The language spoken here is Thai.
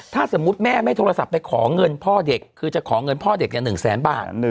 ถ้าสมมุติแม่ไม่โทรศัพท์ไปขอเงินพ่อเด็กคือจะขอเงินพ่อเด็ก๑แสนบาท